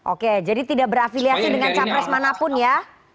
oke jadi tidak berafiliasi dengan capres manapun ya